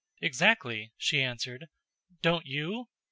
"Exactly," she answered. "Don't you?"